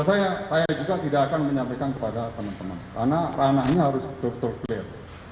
saya juga tidak akan menyampaikan kepada teman teman karena ranah ini harus betul betul clear